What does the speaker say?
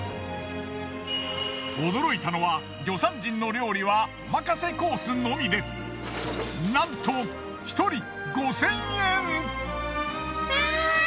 驚いたのは魚山人の料理はお任せコースのみでなんと１人５，０００円！え！